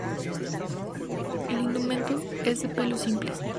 El indumento es de pelos simples.